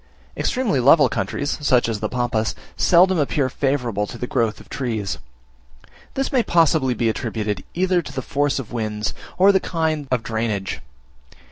Extremely level countries, such as the Pampas, seldom appear favourable to the growth of trees. This may possibly be attributed either to the force of the winds, or the kind of drainage.